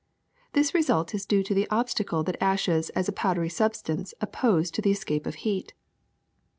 This result is due to the obstacle that ashes as a powdery substance oppose to the escape of heat.